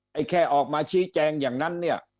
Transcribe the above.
แค่ออกมาชี้แจงอย่างนั้นเนี่ย